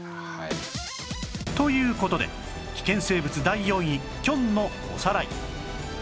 という事で危険生物第４位キョンのおさらい